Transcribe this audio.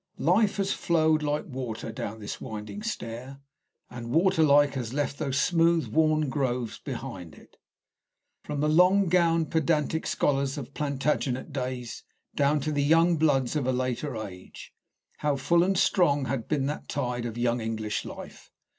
Life has flowed like water down this winding stair, and, waterlike, has left these smooth worn grooves behind it. From the long gowned, pedantic scholars of Plantagenet days down to the young bloods of a later age, how full and strong had been that tide of young English life.